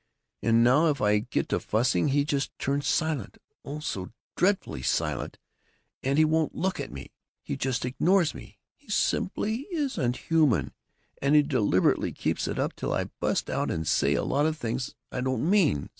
And now if I get to fussing, he just turns silent, oh, so dreadfully silent, and he won't look at me he just ignores me. He simply isn't human! And he deliberately keeps it up till I bust out and say a lot of things I don't mean.